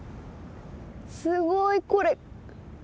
すごいこれ。